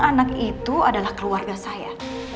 anak itu adalah keluarga saya